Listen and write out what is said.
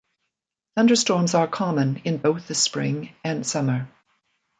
Thunderstorms are common in both the spring and summer.